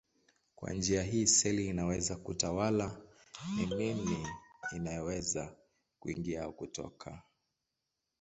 Kwa njia hii seli inaweza kutawala ni nini inayoweza kuingia au kutoka.